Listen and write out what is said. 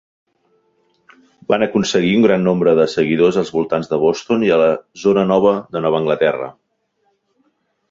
Van aconseguir un gran nombre de seguidors als voltants de Boston i a la zona de Nova Anglaterra.